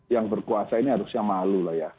yang berkuasa ini harusnya malu lah ya